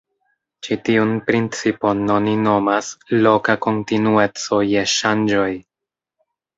Ĉi tiun principon oni nomas "loka kontinueco je ŝanĝoj".